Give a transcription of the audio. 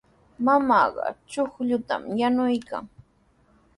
Mamaaqa chuqllutami yanuykan.